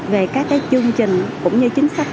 về các cái chương trình cũng như chính sách